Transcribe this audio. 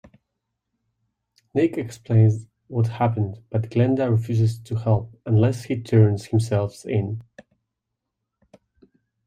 Nick explains what happened, but Glenda refuses to help unless he turns himself in.